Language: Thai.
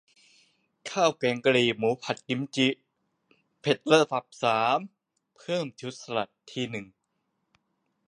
ข้าวแกงกะหรี่หมูผัดกิมจิ เผ็ดระดับสาม เพิ่มชุดสลัด